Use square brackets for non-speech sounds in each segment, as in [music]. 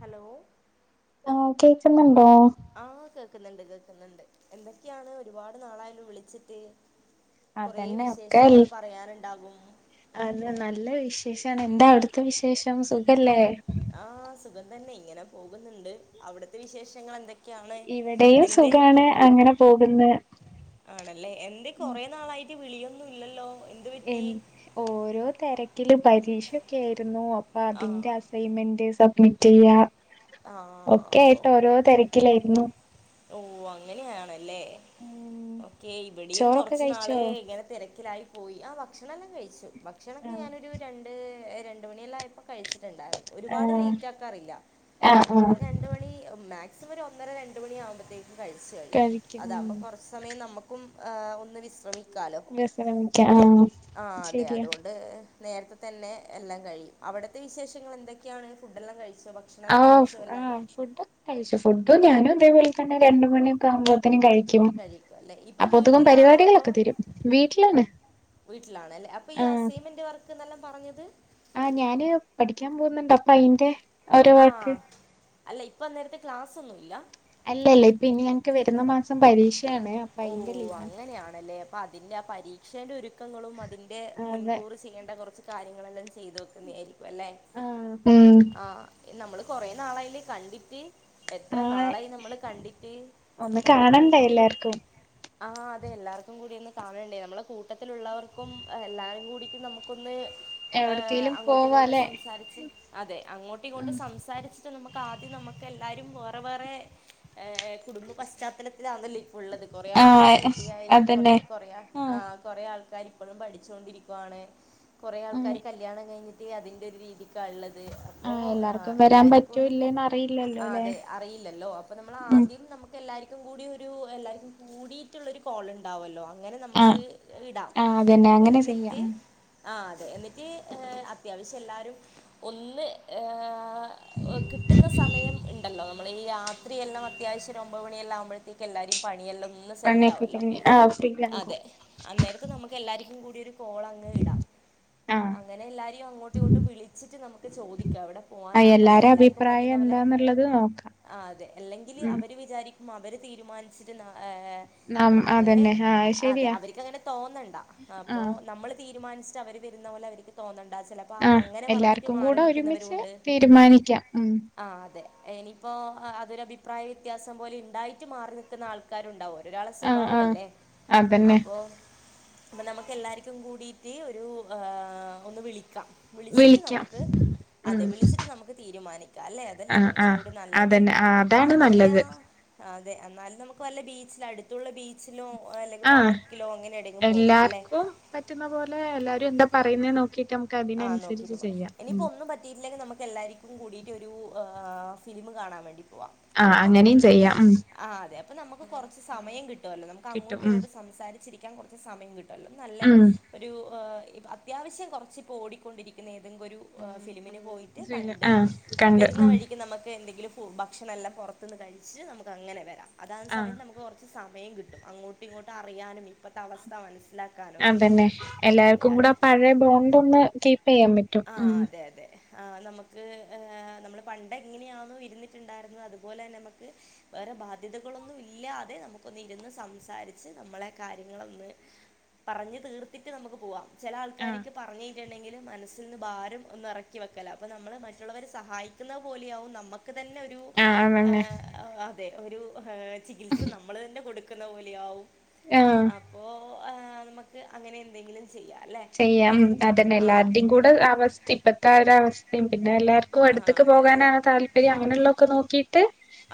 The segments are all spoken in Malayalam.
ഹലോ ഹലോ കേക്ക്ന്ന്ണ്ടോ? ആഹ് കേക്ക്ന്ന്ണ്ട് കേക്ക്ന്നുണ്ട് എന്തൊക്ക്യാണ് ഒരുപാട് നാളായല്ലൊ വിളിച്ചിട്ട് കൊറേ അതന്നെ ഒക്കെ വിശേഷങ്ങള് പറയാന്ണ്ടാകും അത് നല്ല വിശേഷാണ് എന്താ അവിടുത്തെ വിശേഷം സുഖല്ലേ? ആഹ് സുഖം തന്നെ ഇങ്ങനെ പോകുന്നുണ്ട് അവിടുത്തെ വിശേഷങ്ങൾ എന്തെ ഇവടേയും സുഖാണ് അങ്ങനെ പോക്ന്ന് ആണല്ലേ എന്തെ കൊറെ നാളായിട്ട് വിളിയൊന്നും ഇല്ലല്ലോ? എന്ത് എ പറ്റി ഓരോ തെരക്കില് പരീക്ഷൊക്ക്യേരുന്നു അപ്പൊ ആഹ് അതിന്റെ അ സൈമെന്റ് സബ്മിറ്റെയ്യാ ഒക്കെ ആഹ് ആയിട്ട് ഓരോ തെരക്കിലേരുന്നു ഓഹ് അങ്ങനെയാണല്ലേ ഉം ഓക്കെ ഇവടെയും ചോറൊക്കെ കൊറച്ച് നാള് കഴിച്ചോ ഇങ്ങനെ തെരക്കിലായി പോയി ആഹ് ഭക്ഷണല്ലാം കഴിച്ച് ഭക്ഷണക്കെ ആഹ് ഞാനൊരു രണ്ട് രണ്ട് മണിയെല്ലായപ്പോ കഴിച്ചിട്ട് ഇണ്ടാരുന്നു ഒരു പാട് ആഹ് ലേറ്റാക്കാറില്ല ആഹ് ഒര് ആഹ് രണ്ട് മണി മാക്സിമം ഒരു ഒന്നര രണ്ട് മണിയാവുമ്പം കഴിച്ച് കഴിയും കഴിക്കും ഉം അതാവുമ്പോ കൊറച്ച് സമയം നമുക്കും ആഹ് ഒന്ന് വിശ്രമി ക്കാലോ വിശ്രമിക്കാം ആഹ് ആഹ് അതെ ശരിയാ അത് കൊണ്ട് നേരത്തെ തന്നെ എല്ലാം കഴിയും അവടത്തെ വിശേഷങ്ങള് എന്തൊക്ക്യാണ് ഫുഡെല്ലാം കഴിച്ചോ? ദ. ആഹ് ആഹ് ഫുഡ് കഴിച്ചു ഫുഡും ഞാനും ഇതേപോലെ തന്നെ രണ്ട് മണിയൊക്കെ ആവുമ്പോത്തിനും കഴി ക്കും കഴിക്കും അല്ലേ ഇപ്പോൾ അപ്പോത്ത്ക്കും വീട്ടിലാണോ അതോ പരിവാടികളൊക്കെ തീരും വീട്ടിലന്നെ വീട്ടിലാണല്ലേ അപ്പൊ ഈ അസൈമെന്റ് വർക്ക്ന്നെല്ലാം പറഞ്ഞത് ആഹ് ഞാന് പഠിക്ക്യാൻ പോവുന്നുണ്ട് അപ്പോ അയിന്റെ ഓരോ വർക്ക് ആഹ് അല്ല ഇപ്പൊ അന്നേരത്തെ ക്ലാസ്സ് ഒന്നുല്ല അല്ലെല്ലാ ഇപ്പ ഇനി ഞങ്ങക്ക് വരുന്ന മാസം പരീക്ഷയാണ് അ ഓഹ് അങ്ങനെയാണല്ലേ അപ്പൊ അതിന്റെ ആ പരീക്ഷന്റെ ഒരുക്കങ്ങളും അതിന്റെ അതെ മുൻകൂർ ചെയ്യേണ്ട കൊറച്ച് കാര്യങ്ങളെല്ലാം ചെയ്തു വെക്കുന്നെ ആയിരിക്കും അല്ലേ? ആഹ് ഉം ആഹ് നമ്മള് കൊറെ നാളായില്ലേ കണ്ടിട്ട് എത്ര ആഹ് നാളായി നമ്മള് കണ്ടിട്ട് ഒന്ന് നമ്മളെ കാണണ്ടേ കൂട്ടത്തിലു എല്ലാർക്കും ആഹ് അതെ എല്ലാർക്കും കൂടി ഒന്ന് കാണേണ്ടെ നമ്മളെ കൂട്ടത്തിലുള്ളവർക്കും എല്ലാരും കൂടീട്ട് നമുക്കൊന്ന് ഏഹ് എവിടക്കേലും അങ്ങോട്ടും ഇങ്ങോട്ടും പോവാല്ലേ സംസാരിച്ച് അതെ അങ്ങോട്ട് ഉം ഇങ്ങോട്ട് സംസാരിച്ചിട്ട് നമ്മ ക്കാദ്യം നമ്മക്ക് എല്ലാരും വേറെ വേറെ ഏഹ് കുടുംബ പശ്ചാത്തലത്തിലാന്നല്ലോ ഇപ്പ ഇള്ളത് കൊറേ ആൾക്കാരക്ക് ആഹ് കുട്ടിയായി തൊട്ട് അതന്നെ തൊ കൊറയാ ആഹ് കൊറെ ആൾക്കാര് ഇപ്പഴും പഠിച്ചോണ്ടിരിക്കുവാണ് കൊറെ ആഹ് ആൾക്കാര് കല്ല്യണം കഴിഞ്ഞ് [unintelligible] അതിന്റെ ഒരു രീതിക്കാ ഇള്ളത് ഓഹ് ആഹ് എല്ലാർക്കും വരാൻ പറ്റോ എല്ലാര്ക്കൊന്ന് ഇല്ലേന്ന് അറിയില്ലല്ലോ ആഹ് ല്ലേ അതെ അറിയില്ലല്ലോ അപ്പൊ നമ്മള് ഉം ആദ്യം നമ്മ ക്കെല്ലാര്ക്കും കൂടി ഒരു എല്ലാര്ക്കും കൂടീട്ട്ള്ളൊരു കോളിണ്ടാവുവല്ലോ അങ്ങനെ ആഹ് നമുക്ക് ഇടാം. ആഹ് അതന്നെ അങ്ങനെ ചെയ്യാം എന്നിട്ട് ഉം ആഹ് അതെ എന്നിട്ടി അത്യാവശ്യം എല്ലാരും ഒന്ന് കിട്ടുന്ന സമയം ഇണ്ടല്ലോ നമ്മള് ഈ രാത്രിെയെല്ലാം അത്യാവശ്യം ഒരൊമ്പത് മണിയെല്ലാം ആവുമ്പഴത്തേക്ക് എല്ലാരും പണിയെല്ലൊ ഒന്ന് പണിയൊക്കെ സെറ്റാവല്ലോ? കഴിഞ്ഞ് ആഹ് ഫ്രീ ആകും അതെ അന്നേരത്തെ നമുക്ക് എല്ലാര്ക്കും കൂടി ഒരു കോളങ്ങ് ഇടാം. ആഹ് അങ്ങനെ എല്ലാരിയേം അങ്ങോ ട്ട് വിളിച്ചിട്ട് നമുക്ക് ചോദിക്കാം അവിടെ ആഹ് പോവാനാണ് നല്ലത്. എല്ലാരെ എല്ലാര്ക്കും അഭിപ്രായം പറ്റുന്ന പോലെ എന്താന്നുള്ളത് നോക്കാം ആഹ് അതെ അല്ലെങ്കില് ഉം അവര് വിചാരി ക്കും അവര് തീരുമാനിച്ചിരുന്ന ഏ ഏ നം അങ്ങനെ അതന്നെ ആഹ് അതെ ശരിയാ അവര്ക്കങ്ങനെ തോന്നണ്ട. അപ്പോ ആഹ് നമ്മള് തീരുമാനിച്ച അവര് വരുന്ന പോലെ അവര്ക്ക് തോന്നന്നണ്ടാ ചെല അപ്പ ആഹ് അങ്ങനെ പറഞ്ഞിട്ട് എല്ലാർക്കും മാറി കൂടെ നിക്കുന്നവരും ഒരുമിച്ച് ഒണ്ട്. തീരുമാനിക്കാം ഉം ആഹ് അതെ. ഇനിയിപ്പോ അതൊരഭിപ്രായ വ്യത്യാസം പോലെ ഇണ്ടായിട്ട് മാറി നിക്കുന്ന ആള് ക്കാരുണ്ടാവോ ഒരാളെ ആഹ് ആഹ് സ്വഭാവല്ലേ. അതന്നെ അപ്പോ അപ്പ നമ്മക്ക് എല്ലാര്ക്കും കൂടീട്ട് ഒരു ഒന്ന് വിളിക്കാം. വിളിച്ചിട്ട് വിളിക്കാം നമ്മക്ക് അതെ ഉം വിളിച്ചിട്ട് നമുക്ക് തീരുമാനിക്കാം അല്ലെ അതല്ലേ ആഹ് കൊറച്ചും ആഹ് കൂടി നല്ലത്. അതന്നെ ആഹ് അതാണ് എവിടെയാ നല്ലത് അതെ എന്നാലും നമുക്ക് വല്ല ബീച്ചില് അടുത്തുള്ള ബീ ച്ചിലൊ അല്ലെങ്കി ആഹ് പാർക്കിലോ അങ്ങനെ എടെങ്കിലും പോവാ അല്ലെ? എല്ലാർക്കും പറ്റുന്ന പോലെ എല്ലാരും എന്താ പറയുന്നെ നോക്കിട്ട് നമുക്ക് അതിനനുസരിച്ച് ചെയ്യാം. ഉം പറ്റീല്ലെങ്കി നമ്മക്ക് എല്ലാര്ക്കും കൂടിയിട്ട് ഒരു ഫിലിമ് കാണാൻ വേണ്ടി പോവാം. ആഹ് അങ്ങനേം ചെയ്യാം. ഉം ആഹ് അതെ അപ്പൊ നമുക്ക് കൊറച്ച് സമയം കിട്ടുവല്ലോ നമ്മക്ക് കിട്ടും ഉം അങ്ങോട്ടിങ്ങോട്ട് സംസാരിച്ചിരിക്കാൻ കൊറച്ച് സമയം കിട്ടും. ല്ല നല്ല ഉം ഒരു അത്യാവശ്യം കൊറച്ചിപ്പോ ഓടിക്കൊണ്ടിരിക്കുന്ന ഏതെങ്കൊരു ഫിലിമിന് പോയിട്ട് കണ്ട് ആഹ് കണ്ട് വരുന്ന ഉം വഴിക്ക് നമ്മക്ക് എന്തെങ്കിലും ഉം ഭക്ഷണല്ലാം പുറത്തുന്ന് കഴിച്ച് നമുക്കങ്ങനെ വരാം അതാന്ന ആഹ് സമയത്ത് നമ്മക്ക് കൊറ സമയം കിട്ടും അങ്ങോട്ടും ഇങ്ങോട്ട് അറിയാനെ ഇപ്പത്തെ അവസ്ഥ മനസ്സിലാക്കാനും ഒക്കെ അതന്നെ അതെ എല്ലാര്ക്കും കൂടെ അതാ ആ പഴയ ബോണ്ടൊന്ന് കീപ്പെയ്യാൻ പറ്റും. ആഹ് ഉം അതെ അതെ ആഹ് നമ്മക്ക് നമ്മള് പണ്ടെങ്ങനെയാന്നോ ഇരുന്നിട്ടുണ്ടായിരുന്നത് അതുപോലെന്നെ നമ്മക്ക് വേറെ ബാധ്യതകളൊന്നുമില്ലാതെ നമുക്കൊന്ന് ഇരുന്ന് സംസാരിച്ച് നമ്മളെ കാര്യങ്ങളൊന്ന് പറഞ് തീർത്തിട്ട് നമുക്ക് പോവാം. ചില ആഹ് ആൾക്കാരിക്ക് പറഞ്ഞിട്ടുണ്ടെങ്കില് മനസ്സി നിന്ന് ഭാരം ഒന്നിറക്കി വെക്കല. അപ്പോ നമ്മള് മറ്റുള്ളവരെ സഹായിക്കുന്ന പോലെയാകും നമ്മ തന്നെ ഒരു ആഹ് അതന്നെ ആഹ് അതെ. ഒരു ചികിത്സ നമ്മള് തന്നെ കൊടുക്കുന്ന പോലെയാവും ആഹ് അപ്പോ ആഹ് നമക്ക് അങ്ങനെ എന്തെങ്കിലും ചെയ്യാല്ലെ? ചെയ്യാം. അതന്നെ എല്ലാരുടെയും കൂടെ അവസ്ഥ ഇപ്പത്തെ ഒരു അവസ്തേം പിന്നെ എല്ലാവർ ക്കും ആഹ് അടുത്തെക്ക് അതെ അതെ പോകാനാണ് താല്പര്യം അങ്ങനെയുള്ളൊക്കെ നോക്കിട്ട്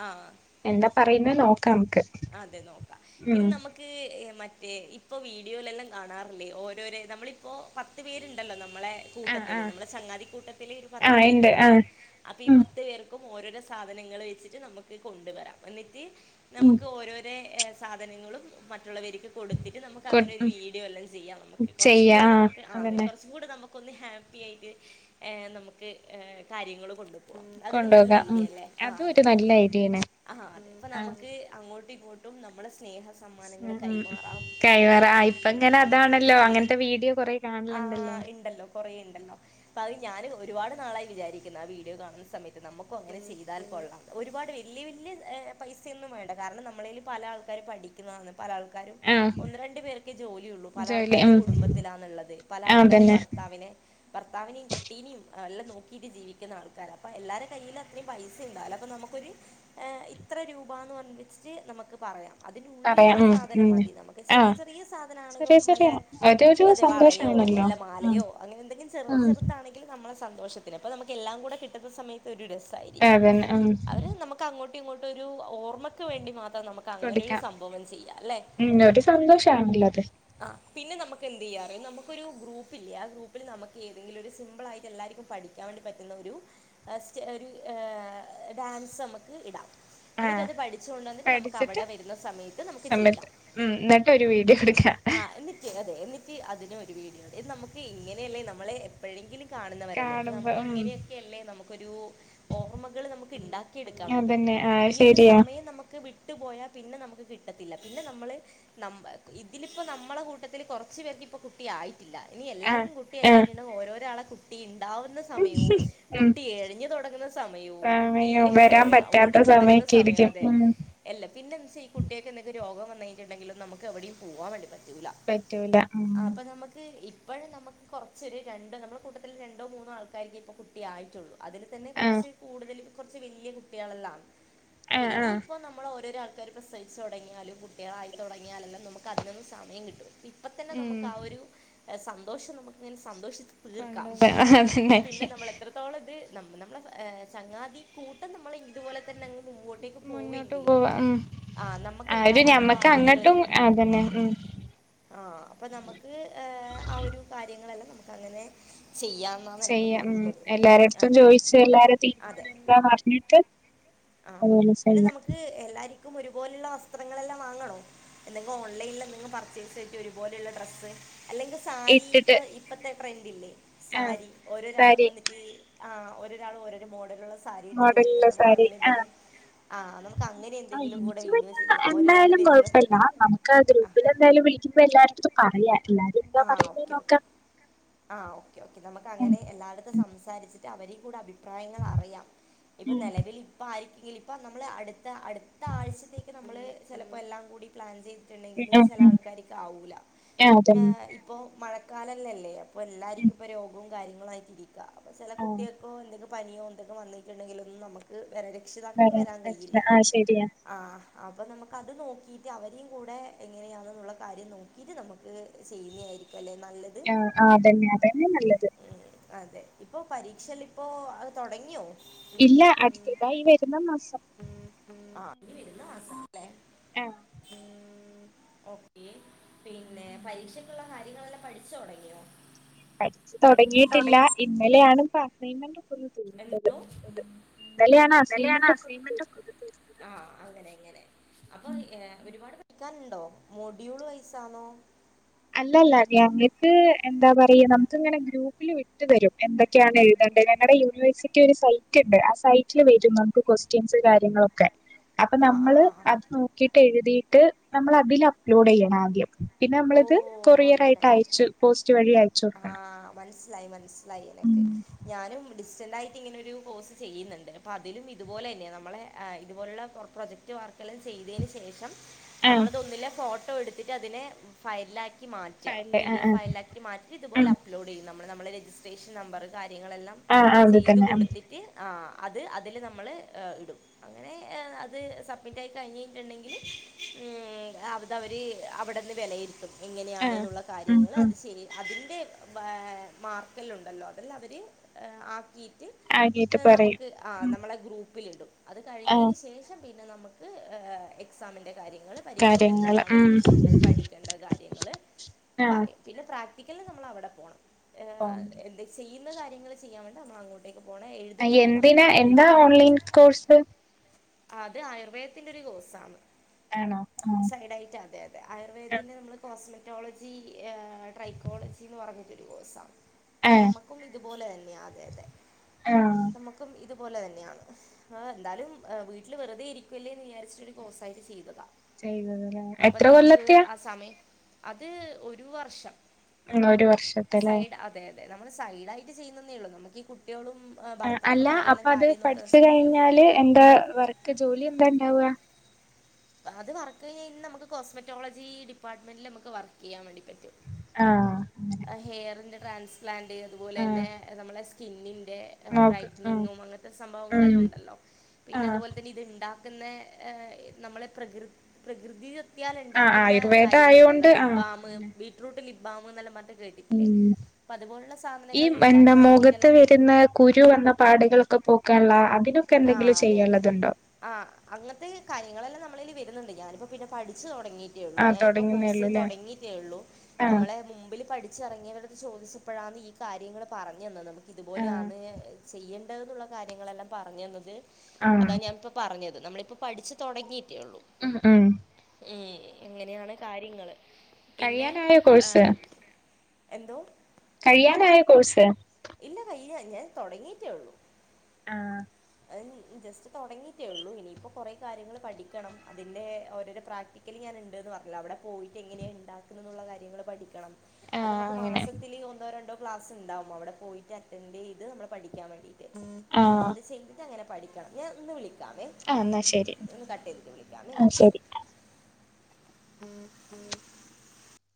ആഹ് എന്താ പറയുന്നേന്ന് നോക്കാം നമ്മക്ക് അതെ നോക്കാം. പിന്നെ നമ്മ ക്ക് മറ്റേ ഇപ്പൊ വീഡിയോലെല്ലം കാണാറില്ലേ ഓരോരെ നമ്മളി പ്പോ പത്ത് പേരുണ്ടല്ലോ നമ്മളെ ആഹ് കൂട്ടത്തില് ആഹ് നമ്മുടെ ചങ്ങാതിക്കൂട്ടത്തില് ഒരു പത്ത് ആഹ് ഇണ്ട് പേരുണ്ടല്ലോ ആഹ് അപ്പൊ ഈ ഉം പത്ത് പേർക്കും ഓരോരോ സാധനങ്ങൾ വെച്ചിട്ട് നമുക്ക് കൊണ്ടുവരാം. എന്നിട്ട് ഉം ഓരോരേ സാധനങ്ങളും മറ്റുള്ളവര്ക്ക് കൊടുത്തിട്ട് നമുക്ക് കൊ അങ്ങനെ ഒരു ഉം വീഡിയോ എല്ലാം ചെയ്യാം നമുക്ക് കുറച്ചും ചെയ്യാ കൂടെ ആഹ് നമുക്ക് ആകെ അതന്നെ കുറച്ച് കൂടെ നമുക്കൊന്ന് ഹാപ്പി ആയിട്ട് നമുക്ക് കാര്യങ്ങള് കൊണ്ടു അതൊരു നല്ല കൊണ്ടോകാം ഉം ഐഡിയല്ലേ ആഹ് അതും അതെ ഒരു നല്ല ഐഡിയാണ് ആഹ് അതെ അപ്പ ആഹ് നമുക്ക് അങ്ങോട്ടും ഇങ്ങോട്ടും നമ്മള് സ്നേഹ സമ്മാനങ്ങള് കൈമാറാം കൈവാറ ആ ഇപ്പ ഇങ്ങനെ അതെ അതാണല്ലോ അങ്ങനത്തെ വീഡിയോ കൊറെ കാണലുണ്ടല്ലോ കുറേയുണ്ടല്ലോ അപ്പ അത് ഞാനും ഒരുപാട് നാളായി വിചാരിക്കുന്നു ആ വീഡിയോ കാണുന്ന സമയത്ത് നമുക്കും അങ്ങനെ ചെയ്താൽ കൊള്ളാം ഒരുപാട് വല്യ വല്യ പൈസയൊന്നും വേണ്ട കാരണം നമ്മളേല് പല ആൾക്കാരും പഠിക്കുന്നതാണ് പല ആൾക്കാരും ആഹ് ഒന്ന് രണ്ടു പേർക്ക് ജോലിയുള്ളൂ പല ജോലി ആൾക്കാരും ഉം കുടുംബത്തിലാണുള്ളത് പല ആൾക്കാരും അതന്നെ ഭർത്താവിന് ഭർത്താവിനേം കുട്ടീനേം എല്ലം നോക്കിയിട്ട് ജീവിക്കുന്ന ആൾക്കാര അപ്പൊ എല്ലാര കയ്യില് അത്രയും പൈസ ഉണ്ടാവില്ല അപ്പം നമുക്കൊരി ഇത്ര രൂപാന്ന് പറഞ്ഞിച്ചിട്ട് നമുക്ക് പറയാം അതിന്റെ പറയാം ഉള്ളിലുള്ള ഉം സാധനം ഉം മതി നമുക്ക് ചെറിയ ആഹ് ചെറിയ സാധനങ്ങള് ചെറിയ ചെറിയ വല്ലേ അതൊരു അതെ വളയോ സന്തോഷാണല്ലോ അല്ല ഉം മാലയോ അങ്ങനെ എന്തെങ്കിലും ചെറുത് ഉം ചെറുതാണെങ്കിലും നമ്മളെ സന്തോഷത്തിന് അപ്പ നമുക്ക് എല്ലാം കൂടെ കിട്ടുന്ന സമയത്ത് ഒരു രസായിരിക്കും അതന്നെ ഉം അവര് നമുക്ക് ക്ക് അങ്ങോട്ടും ഇങ്ങോട്ടൊരു ഓർമ്മക്ക് വേണ്ടി മാത്രം നമുക് ക്കങ്ങനൊരു കൊടുക്കാം സംഭവം ചെയ്യാം ല്ലെ ഉം ഒരു സന്തോഷാണല്ലോ അത് ആഹ് പിന്നെ നമുക്ക് എന്ത് ചെയ്യാ നമുക്ക് ഒരു ഗ്രൂപ്പില്ലേ ആഹ് ഗ്രൂപ്പിൽ നമുക്ക് ഏതെങ്കിലും ഒരു സിമ്പിൾളായിട്ട് എല്ലാവർക്കും പഠി പഠിക്കാൻ വേണ്ടി പറ്റുന്ന ഒരു ഡാൻസ് നമുക്ക് ഇടാം എന്നിട്ട് ആഹ് അത് പഠിച് ച്ച് കൊണ്ടന്നിട്ട് നമുക്ക് അവിടെ പഠിച്ചിട്ട് വരുന്ന സമയത്ത് നമുക്ക് ചെയ്യാം സമയത്ത് ഉം എന്നിട്ട് ഒരു വീഡിയോ എടുക്കാം ആഹ് അതെ എന്നിട്ട് അതിനും ഒരു വീഡിയൊ നമുക്ക് ഇങ്ങനെയല്ലേ നമ്മളെ എപ്പഴെങ്കിലും കാണുന്നവരല്ലേ അപ്പൊ കാണുമ്പോ നമുക്ക് ഉം ഇങ്ങനെയൊക്കെ അല്ലേ നമുക്കൊരു ഓർമ്മകൾ നമുക്ക് ഉണ്ടാക്കിയെടുക്കാൻ വേണ്ടി അതന്നെ പറ്റുള്ളൂ ആഹ് ഈ ഒരു ശരിയാ സമയം നമുക്ക് വിട്ടു പോയാൽ പിന്നെ നമുക്ക് കിട്ടത്തില്ല പിന്നെ നമ്മള് നമ്മ ഇതിലിപ്പോ നമ്മളെ കൂട്ടത്തില് കുറച്ചു പേർക്ക് ഇപ്പ കുട്ടിആയി ട്ടില്ല ഇനി ആഹ് എല്ലാവർക്കും കുട്ടിയായി ആഹ് കഴിഞ്ഞിട്ടു ഓരോരാളെ കുട്ടി ഉണ്ടാവ വുന്ന സമയവും ഉം കുട്ടി എഴഞ്ഞു തുടങ്ങുന്ന സമയവും കുട്ടി സമയം വരാൻ പറ്റാത്ത ഓടിത്തുടങ്ങുന്ന സമയൊക്കെ സമയം ഇരിക്കും ഉം അല്ല പിന്ന വച്ചാ ഈ കുട്ടിൾക്ക് എന്തൊക്കെ രോഗം വന്നിട്ടുണ്ടെങ്കില് നമുക്ക് എവിയും പോവാൻ വേണ്ടി പറ്റു ല പറ്റൂല ഉം അപ്പൊ നമുക്ക് ഇപ്പഴ് നമുക്ക് കുറച്ചൊരു രണ്ടോ നമ്മുടെ കൂട്ടത്തിൽ രണ്ടോ മൂന്നോ ആൾക്കാർക്കെ ഇപ്പോൾ കുട്ടിയായിട്ടുള്ളൂ അതിൽ തന്നെ ആഹ് കുറച്ച് കൂടുതൽ കുറച്ച് വലിയ കുട്ടികളെല്ലാണ് അപ്പ ആഹ് ഇനി ആഹ് നമ്മള് ഓരോരൊ ആൾക്കർ ഇപ്പോ സഹിച്ച് തുടങ്ങിയാലും കുട്ടികളായി തുടങ്ങിയാലല്ലാം നമുക് ക്ക് അതിനൊന്ന് സമയം കിട്ടും ഇപ്പംത്തന്നെ ഉം നമുക്ക് ആ ഒരു സന്തോഷം നമുക്കിങ്ങനെ സന്തോഷി തീർക്കാം കൊണ്ടുപോവാ അതന്നെ പിന്നെ നമ്മൾ എത്ര [unintelligible] നമ്മള ചങ്ങാതി കൂട്ടം നമ്മള് ഇതുപോലെ തന്നെ അങ്ങ് മുമ്പോട്ടേക്ക് മുന്നോട്ട് പോവെങ്കിലും പോവാ ഉം ആഹ് നമുക്ക് ആ ഒരു എല്ലാർക്കും ഞമ്മക്ക് ബാധ്യതകൾ അങ്ങട്ടും വരും അതന്നെ ഉം ആഹ് അപ്പൊ നമുക്ക് ആഹ് ഒരു കാര്യങ്ങളെല്ലാം നമുക്ക് അങ്ങനെ ചെയ്യാം ചെയ്യാം ഉം എല്ലരുടത്തും ചോയിച്ച് എല്ലാരും അതെ തീരുമാനം എന്താ അറിഞ്ഞിട്ട് അത്പോലെ ചെയ്യാം അത് എല്ലാരിക്കും ഒരുപോലുള്ള വസ്ത്രങ്ങളെല്ലാം വാങ്ങണോ എന്തെങ്കും ഓൺലൈനിൽ എന്തെങ്കിലും പർച്ചേസ് ചെയട്ട് ഒരുപോലെയുള്ള ഡ്രസ്സ് അല്ലെങ്കിൽ സാരി ഇപ്പ ഇട്ടിട്ട് ഇപ്പത്തെ ട്രെന്റ് ഇല്ലേ ആ സാരി ഓരോരാളും സാരി വന്നിട്ട് ആഹ് ഒരോരാൾ ഓരോരോ മോഡുള്ള സാരി ഇട്ടിട്ട് മോഡലിള്ള വരുന്നത് നമുക്ക് സാരി അങ്ങനെ ആ എന്തെങ്കിലും ആഹ് നമുക്ക് അങ്ങനെ ആ എന്തെങ്കിലും കൂടെ എനിക്ക് പിന്നെ വീഡിയോസ് ചെയ്യാം ഒരാൾ എന്തായാലും വരുന്നു കൊഴപ്പല്ല നമുക്ക് ആ ആഹ് ഗ്രൂപ്പിൽ എന്തായാലും വിളിക്കുമ്പോ എല്ലായിടത്തും പറയാ എല്ലാരും എന്താ ആ പറയുന്നേ ഓക്കേ ഓക്കേ നോക്കാം ആ ഓക്കെ ഓക്കേ നമുക്ക് ഉം അങ്ങനെ എല്ലായിടത്തും ഉം സംസാരിച്ചിട്ട അവരിം കൂടെ അഭിപ്രായങ്ങൾ അറിയാം ഇപ്പൊ നിലവിൽ അപ്പോൾ ആയിരിക്കെങ്കിലും ഇപ്പം നമ്മൾ അടുത്ത അടുത്ത ആഴ്ചത്തേക്ക് നമ്മൾ ചിലപ്പോൾ എല്ലാം കൂടി പ്ലാൻ ചെയ് ഉം ഉണ്ടെങ്കില് ഉം ചില ഉം ആൾക്കാർക്ക് ആവൂല്ല ആ അതന്നെ ഇപ്പോ മഴക്കാലംല്ലല്ലേ അപ്പൊ ഉം എല്ലാർക്കും ഇപ്പ രോഗവും കാര്യങ്ങളും ആയിട്ട് ഇരിക്കും അപ്പ ചില ആ കുട്ടികൾക്കോ എന്തൊക്കെ പനിയോന്തൊക്ക വന്നിട്ടുണ്ടെങ്കില് നമുക്ക് രക്ഷിതാക്കൾക്ക് വരാൻ കഴിയില്ല പറ്റില്ല ആ ശരിയാ ആഹ് അപ്പം നമുക്കത് നോക്കിയിട്ട് അവരെയയും കൂടെ എങ്ങനെയാണെന്നുള്ള കാര്യം നോക്കിയിട്ട് നമുക്ക് ചെയ്യുന്ന ആയിരിക്കും അല്ലെ നല്ലത് ആഹ് ആഹ് അതന്നെ അതന്നെ നല്ലത് ഉം, അതെ ഇപ്പോൾ പരീക്ഷയല്ലേ ഇപ്പോൾ അത് തുടങ്ങിയോ ഇല്ല അടുത്തതായി ഈ വരുന്ന മാസം ഉം [inaudible] ഉം വരുന്നല്ലേ ആ ഓഹ് പിന്നെ പരീക്ഷക്കുള്ള കാര്യങ്ങളെല്ലാം പഠിച്ചു തുടങ്ങിയോ പഠിച്ചു പഠിച്ച് തുടങ്ങിയിട്ടില്ല തുടങ്ങി ഇന്നലെ ആണ് ഇപ്പ അസൈൻമെന്റ് ഒക്കെ ഒന്ന് [unintelligible] തീർത്തത് ഇന്നലെയാണ് ഇന്നലെ ആണ് അസൈൻമെന്റ് ഒക്കെ ഒന്ന് അസൈഗ്ന മെന്റ് തീർത്തത് ആഹ് അങ്ങനെ അങ്ങനെ അപ്പൊ ഒരുപാട് പഠിക്കാനുണ്ടോ മോഡ്യൂൾ വയസാണോ അല്ലല്ല ഞങ്ങൾക്ക് എന്താ പറയാ നമുക്ക് ഇങ്ങനെ ഗ്രൂപ്പിൽ വിട്ട് തരും എന്തൊ ഒക്കെയാണ് എഴുതേണ്ട് ഞങ്ങളുടെ യൂണിവേഴ്സിറ്റി ഒരു സൈറ്റ് ഉണ്ട് ആ സൈറ്റില് വരും നമുക്ക് ക്വസ്റ്റ്യൻസ് കാര്യങ്ങളൊക്കെ അപ്പൊ ആ ആ നമ്മള് ആ ആ. അത് നോക്കിട്ട് എഴുതിയിട്ട് നമ്മൾ അതിൽ അപ്ലോഡ് ചെയ്യണം ആദ്യം പിന്നെ നമ്മൾ ഓ കൊറിയർ ആയിട്ട് അങ്ങനെ അയച്ചു പോസ്റ്റ് വഴി അയച്ചു കൊടുക്കണം ആഹ് മനസ്സിലായി മനസ്സിലായി എനക്ക് ഞാനും ഡിസ്റ്റന്റ് ആയി ഇങ്ങനെ ഒരു കോഴ്സ് ചെയ്യുന്നുണ്ട് അപ്പൊ അതിലും ഇതുപോലെ തന്നെ നമ്മള ഇത്പോലുള്ള പ്രോജക്ട് വർക്ക് ചെയ്തതിന് ശേഷം ആ നമ്മളതൊന്ന് ഫോട്ടോ എടുത്തിട്ട് അതിനെ ഫയലിൽ ആക്കി മാറ്റാ ഫയല് പി ഡി എഫ് ആ ഫയലാക്കി മാറ്റി ആ ഇതുപോലെ അപ്ലോഡ് ചെയ്യും നമ്മൾ നമ്മുടെ രജിസ്ട്രേഷൻ നമ്പറ് കാര്യങ്ങളെല്ലാം ആ അത് ചെയ്ത് തന്നെ കൊടുത്തിട്ട് ആഹ് അത് അതില് നമ്മള് ഇടും അങ്ങനെ അത് സബ്മിറ്റ് ആയി കഴിഞ്ഞിട്ടുണ്ടെങ്കിൽ ഉം അത് അതവർ അവിടെന്ന് വിലയിരുത്തും ആ എങ്ങനെയാണെന്നുള്ള ഉം കാര്യങ്ങൾ ഉം അത് ശരി അതിൻ്റെ മാർക്കെല്ലാം ഉണ്ടല്ലോ അതെല്ലാം അവർ ആക്കിയിട്ട് ആയിട്ട് പറയും നമുക്ക് ആ നമ്മളെ ഗ്രൂപ്പിലിടും അത് ആഹ് കഴിഞ്ഞതിന് ശേഷം പിന്നെ നമുക്ക് എക്സാമിൻ്റെ കാര്യങ്ങൾ പരീക്ഷക്ക് കാര്യങ്ങള് എന്തെല്ലാന്ന് ഉം വീഷയങ്ങൾ പഠിക്കേണ്ട കാര്യങ്ങൾ ആഹ് പറയും പിന്നെ പ്രാക്- നമ്മളവിടെ പോണം എന്ത് ചെയ്യുന്ന കാര്യങ്ങൾ ചെയ്യാൻ വേണ്ടി നമ്മളങ്ങോട്ട് ഇവിക്ക് പോണ എഴുതുന്ന നമുക്ക് എന്തിനാ ഇവിടെ വീട്ട് എന്താ തന്നെ എഴുത ഓൺലൈൻ കോഴ്സ് അത് ആയുർവേദത്തിന്റെ ഒരു കോഴ്സാണ് ആണോ ആഹ് സൈഡ് ആയിട്ട് അതെ അതെ അ ആയുർവേദത്തിന്റെ നമ്മള് കോസ്മെറ്റോളജി ട്രൈക്കോളജിന്ന് പറഞ്ഞിട്ടൊരു കോഴ്സാണ് ആഹ് നമ്മുക്കും ഇതുപോലെ തന്നെയ അതെ അതെ ആഹ് നമ്മുക്കും ഇതുപോലെ തന്നെയാണ് ആഹ് എന്താലും വീട്ടില് വെറുതെ ഇരിക്കല്ലേ എന്ന് വിചാരിച്ചിട്ട് കോഴ്സായിട്ട് ചെയ്തതാ ചെയ്തതല്ലേ അപ്പൊ എത്ര നമുക്ക് കൊല്ലത്തെയാ ആ സമയം അത് ഒരു വർഷം ഒരു വർഷം സൈഡ് അതെ അതെ നമ്മൾ സൈഡ് ആയിട്ട് ചെയ്യുന്നന്നേ ഉള്ളൂ നമുക്ക് ഈ കുട്ടികളും ആ അല്ല ഭർത്താക്കന്മാരെല്ലാം അപ്പൊ അത് കാര്യം നോക്കുന്ന പഠിച്ച് സമയത്ത് കഴിഞ്ഞാല് എന്താ വർക്ക് ജോലി എന്താ ഉണ്ടാവുക ആഹ് അത് വർക്ക് കഴിഞ്ഞാ നമുക്ക് കോസ്മെോറ്റൊളജി ഡിപ്പാർട്ട്മെന്റിൽ നമുക്ക് വർക്ക് ചെയ്യാൻ വേണ്ടി പറ്റും. ആഹ് അങ്ങനെ ഹെയറിൻ്റെ ട്രാൻസ്പ്ലാന്റ് അതുപോലെ ആഹ് തന്നെ നമ്മളുടെ സ്കിന്നിൻ്റെ നോക്ക് ആഹ് ബ്രൈറ്റ്നിങ്ങും അങ്ങനത്തെ ഉം സംഭവങ്ങളെല്ലാം ഉണ്ടല്ലോ പിന്നെ ആഹ് അതുപോലെ തന്നെ ഇത്ണ്ടാ പിന്നെ നമ്മളെ പ്രകൃ പ്രകൃതി കട്ടിയാൽ ആഹ് ഉണ്ടാക്കുന്ന ആയുർവേദ കാര്യങ്ങളുണ്ടല്ലോ ആയോണ്ട് ആഹ് ലിബാം അങ്ങനെ ബീറ്റ്റൂട്ട് ലിബാം എന്നല്ലാം പറഞ്ഞി ട്ട് കേട്ട് ഉം ഈ എന്താ ഉണ്ടാക്കാൻ മോഖത്ത് വേണ്ടിയിട്ടെല്ലാം വരുന്ന കുരു വന്ന പാടുകളൊക്കെ പോക്കാനുള്ള അതിന ആഹ് അതെ അതെ ആ് അങ്ങനത്തെ കാര്യങ്ങളെല്ലാം നമ്മളൽല് വരുന്നുണ്ട് ഞാനിപ്പോ പിന്നെ പഠിച്ചു തുടങ്ങി. ആഹ് ഞാനിപ്പോ കോഴ്സ് തുടങ്ങുന്നേള്ളൂല്ലേ തുടങ്ങിയിട്ടേ ഉള്ളൂ ആഹ് നമ്മളെ മുമ്പിൽ പഠിച്ചിറങ്ങിയവരു- ചോദിച്ചപ്പോഴാാണ് ഈ കാര്യങ്ങൾ പറഞ്ഞ് തന്നത് നമുക്ക് ആഹ് ഇതുപോലെയന്ന് ചെയ്യൽ. ള്ള കാര്യങ്ങളെല്ലാം പറഞ്ഞ തന്നത് ആഹ് അതാ ഞാാനിപ്പോ പറഞ്ഞത് നമ്മളിപ്പ പഠിച്ച് തുടങ്ങിയിട്ടേ ഉള്ളൂ. ഉം ആഹ് ഉം എങ്ങനെയാണ് കാര്യങ്ങള് പിന്നെ കഴിയാനായ കോഴ്സ് ആഹ് എന്തോ കഴിയാനയോ കൊഴ്സ്. ഇല്ല കൈിഞ്ഞ ഞാൻ തുടങ്ങിട്ടേ ഉള്ളൂ. ആഹ് അത് ജസ്റ്റ് തുടങ്ങീട്ടേള്ളൂ ഇനിയിപ്പോ കുറേ കാര്യങ്ങൾ പഠിക്കണം അതിന്റെ ഓരോരോ പ്രാക്ടീ- ഒരിക്കൽ ഞാൻ ഉണ്ട്ന്ന് പറഞ്ഞില്ലോ അവിടെ പോയിട്ട് എങ്ങനെയാണ് ഉണ്ടാക്കുന്നുള്ളത് കാര്യങ്ങള് പഠിക്കണം. അത് ആഹ് നമുക്ക് അങ്ങനെ മാസത്തില് ഒന്നോ രണ്ടോ ക്ലാസ് ഉണ്ടാവും അവിടെ പോയിട്ട് അറ്റൻഡ് ചെയ്ത് നമ്മള് പഠിക്കാൻ വേണ്ടി. അപ്പൊ ആഹ് അത് ചെയ്തിട്ട് അങ്ങനെ പഠിക്കണം ഞാൻ ഒന്ന് വിളിക്കാം ആഹ് എന്നാ ശരി വിളിക്കാവെ കട്ട് ചെയ്തിട്ട് വിളിക്കവേ ഓഹ് ശരി. ഉം ഉം